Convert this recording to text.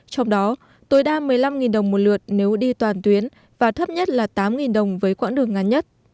trong đó tối đa một mươi năm đồng một lượt nếu đi toàn tuyến và thấp nhất là tám đồng với quãng đường ngắn nhất